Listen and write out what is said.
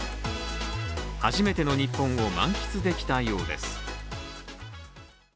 初めての日本を満喫できたようです。